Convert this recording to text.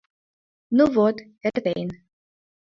Ну вот, эртен...